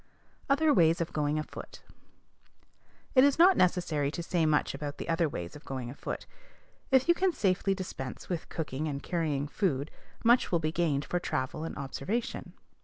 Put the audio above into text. OTHER WAYS OF GOING AFOOT. It is not necessary to say much about the other ways of going afoot. If you can safely dispense with cooking and carrying food, much will be gained for travel and observation.